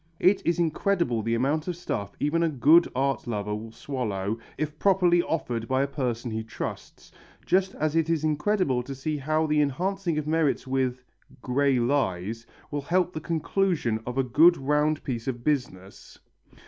It is incredible the amount of stuff even a good art lover will swallow, if properly offered by a person he trusts, just as it is incredible to see how the enhancing of merits with grey lies, will help the conclusion of a good round piece of business.